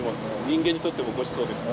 人間にとってもごちそうです。